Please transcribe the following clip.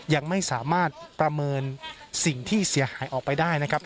ยังไม่สามารถประเมินสิ่งที่เสียหายออกไปได้นะครับ